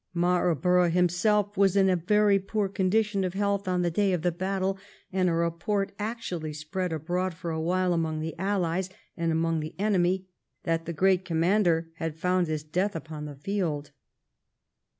Marlborough himself was in a very poor condition of health on the day of the battle, and a report actually spread abroad for a while among the Allies and among the enemy that the great commander had found his death upon the field.